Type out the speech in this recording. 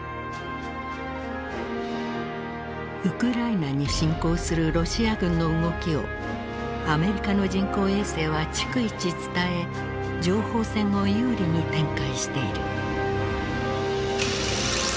ウクライナに侵攻するロシア軍の動きをアメリカの人工衛星は逐一伝え情報戦を有利に展開している。